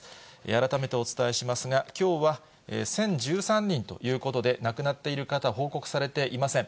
改めてお伝えしますが、きょうは１０１３人ということで、亡くなっている方、報告されていません。